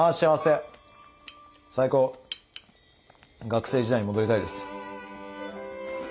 学生時代に戻りたいです。